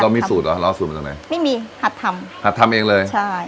มีสูตรเหรอเราเอาสูตรมาจากไหนไม่มีหัดทำหัดทำเองเลยใช่